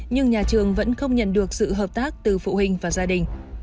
nhưng nhà trường vẫn không nhận được sự hợp tác từ phụ huynh và gia đình